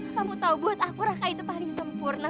kamu tahu buat aku raka itu paling sempurna